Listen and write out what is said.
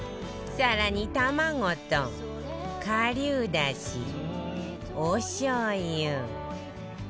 更に卵と顆粒だしおしょう油